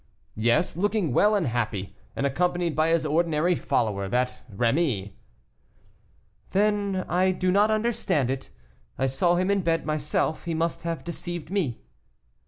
"Yes, looking well and happy, and accompanied by his ordinary follower, that Rémy." "Then I do not understand it; I saw him in bed myself; he must have deceived me."